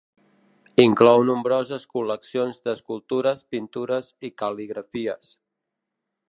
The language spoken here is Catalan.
Inclou nombroses col·leccions d'escultures, pintures i cal·ligrafies.